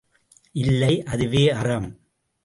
இல்லை, அதுவே அறம்!